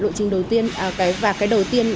lộ trình đầu tiên và cái đầu tiên